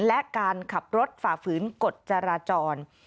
และการขับรถฝ่าฝืนกฎจราจร